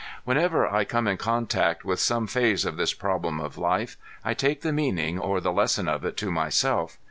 Whenever I come in contact with some phase of this problem of life I take the meaning or the lesson of it to myself.